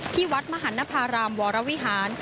ที่วัดมหันนภารามวรวิหาร